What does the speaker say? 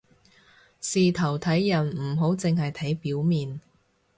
事頭睇人唔好淨係睇表面